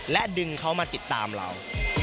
และดึงเขามาติดตามเรา